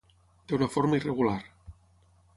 Té una forma irregular.